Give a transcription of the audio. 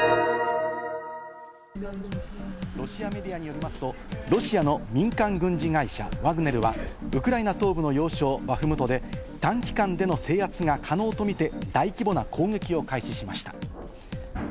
ロシアメディアによりますとロシアの民間軍事会社・ワグネルはウクライナ東部の要衝バフムトで短期間での制圧が可能とみて大規模な攻撃を開始しました。